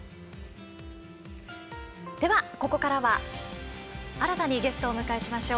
では、ここからは新たにゲストをお迎えしましょう。